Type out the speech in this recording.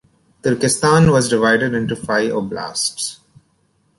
Turkestan was divided into five oblasts.